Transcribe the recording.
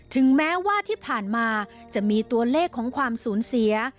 ถึงแม้ว่าที่ผ่านมาจะมีตัวเลขของความสูญเสีย